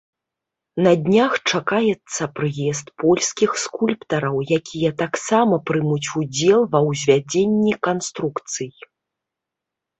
На днях чакаецца прыезд польскіх скульптараў, якія таксама прымуць удзел ва ўзвядзенні канструкцый.